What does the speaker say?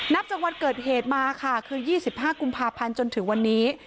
จังหวัดเกิดเหตุมาค่ะคือ๒๕กุมภาพันธ์จนถึงวันนี้